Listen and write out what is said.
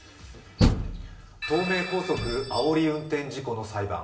東名高速あおり運転事故の裁判。